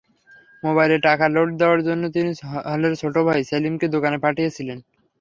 মোবাইলে টাকা লোড দেওয়ার জন্য তিনি হলের ছোট ভাই সেলিমকে দোকানে পাঠিয়েছিলেন।